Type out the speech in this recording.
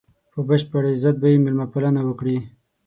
په بشپړ عزت به یې مېلمه پالنه وکړي.